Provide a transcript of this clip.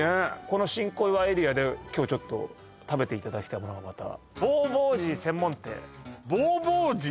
この新小岩エリアで今日ちょっと食べていただきたいものがまた鉢鉢鶏専門店鉢鉢鶏